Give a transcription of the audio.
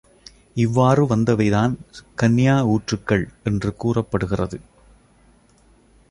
இவ்வாறு வந்தவைதான் கன்யா ஊற்றுகள் என்று கூறப்படுகிறது.